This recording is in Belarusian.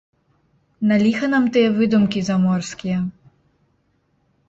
На ліха нам тыя выдумкі заморскія?